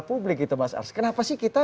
publik gitu mas ars kenapa sih kita